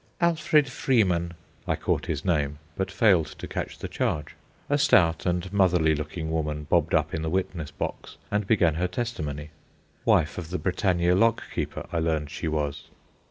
"Alfred Freeman," I caught his name, but failed to catch the charge. A stout and motherly looking woman bobbed up in the witness box and began her testimony. Wife of the Britannia lock keeper, I learned she was.